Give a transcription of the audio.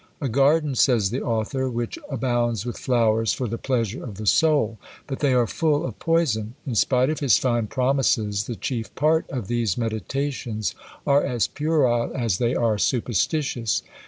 "A garden," says the author, "which abounds with flowers for the pleasure of the soul;" but they are full of poison. In spite of his fine promises, the chief part of these meditations are as puerile as they are superstitious.